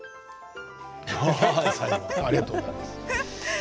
ありがとうございます。